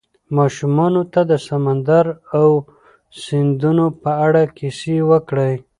ماشومانو ته د سمندر او سیندونو په اړه کیسې وکړئ.